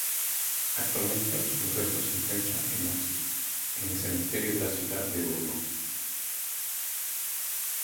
Actualmente, sus restos se encuentran en el cementerio de la ciudad de Oruro.